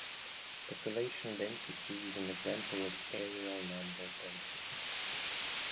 Population density is an example of areal number density.